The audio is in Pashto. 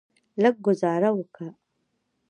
لږه ګوزاره وکه.